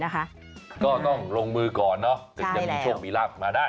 ก็ต้องลงมือก่อนเนอะถึงจะมีโชคมีลาบมาได้